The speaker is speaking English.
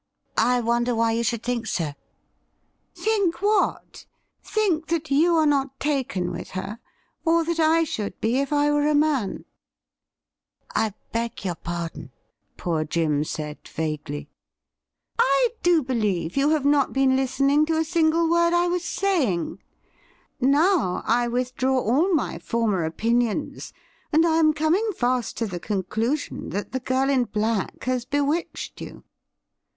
' I wonder why you should think so .'''' Think what .'' Think that you are not taken with her, or that I should be if I were a man ?'' I beg your pardon,' poor Jim said vaguely. ' I do believe you have not been listening to a single word I was saying. Now I withdraw all my former opinions, and I am coming fast to the conclusion that the girl in black has bewitched you.'